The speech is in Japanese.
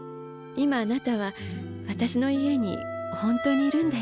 今あなたは私の家に本当にいるんだよ。